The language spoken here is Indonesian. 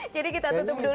jadi kita tutup dulu